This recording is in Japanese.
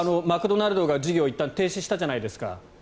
マクドナルドが事業を一旦停止したじゃないですか。